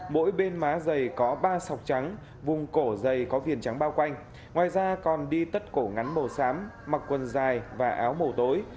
mỗi bên má dày có ba sọc trắng vùng cổ dày có phiền trắng bao quanh ngoài ra còn đi tất cổ ngắn màu xám mặc quần dài và áo màu tối